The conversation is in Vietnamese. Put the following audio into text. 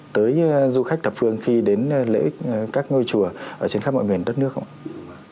tới du khách thập phương khi đến lễ các ngôi chùa trên khắp mọi nguyền đất nước không ạ